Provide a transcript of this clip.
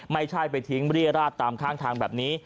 ไม่ใช่ไปทิ้งเรียราชตามข้างทางแบบนี้